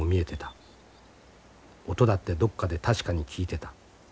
音だってどこかで確かに聞いてた。